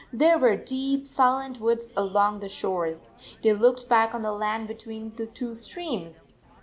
There were deep, silent woods along the shores. They looked back on the land be tween the two streams.